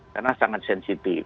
karena sangat sensitif